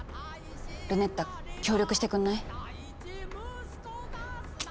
ルネッタ協力してくんない？